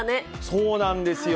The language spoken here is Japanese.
そうなんですよ。